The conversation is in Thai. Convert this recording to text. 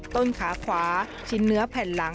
ต้นขาขวาชิ้นเนื้อแผ่นหลัง